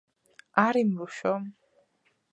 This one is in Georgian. არა იმრუშო.